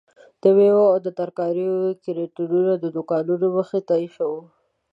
د میوو او ترکاریو کریټونه د دوکانو مخې ته ایښي وو.